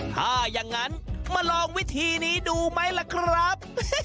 ถ้าอย่างนั้นมาลองวิธีนี้ดูไหมล่ะครับ